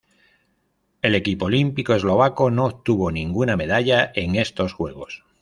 El equipo olímpico eslovaco no obtuvo ninguna medalla en estos Juegos.